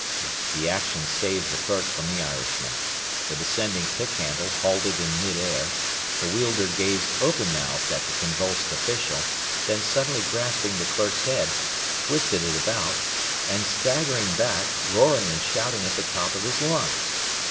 The action saved the clerk from the Irishman. The descending pick handle halted in mid air, the wielder gazed open mouthed at the convulsed official, then suddenly grasping the clerk's head, twisted it about, and staggered back, roaring and shouting at the top of his lungs.